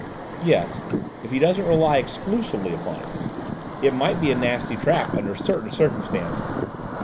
"Yes, if he doesn't rely exclusively upon it; it might be a nasty trap under certain circumstances.